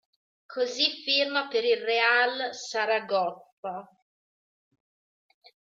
Così firma per il Real Saragozza.